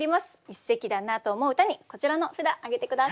一席だなと思う歌にこちらの札挙げて下さい。